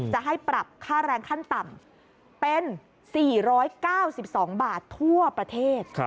จะให้ปรับค่าแรงขั้นต่ำเป็น๔๙๒บาททั่วประเทศ